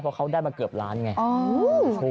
เพราะเขาได้มาเกือบล้านไงโอ้โหโอ้โหโอ้โหโอ้โหโอ้โหโอ้โหโอ้โห